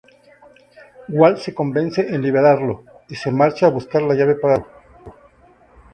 Walt se convence en liberarlo y se marcha a buscar la llave para liberarlo.